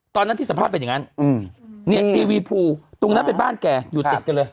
ตอนนั้นที่สภาพเป็นอย่างนั้นเนี่ยทีวีภูตรงนั้นเป็นบ้านแกอยู่ติดกันเลย